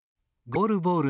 ゴールボール？